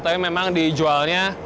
tapi memang dijualnya